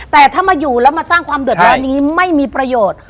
แต่ถ้ามาอยู่แล้วมาสร้างความเดือดร้อนนี้ไม่มีประโยชน์